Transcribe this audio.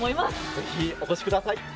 ぜひ、お越しください。